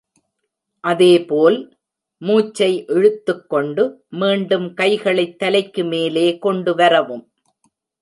அதேபோல், மூச்சை இழுத்துக் கொண்டு, மீண்டும் கைகளைத் தலைக்கு மேலே கொண்டு வரவும்.